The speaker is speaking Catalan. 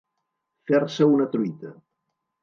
Fer-se una truita.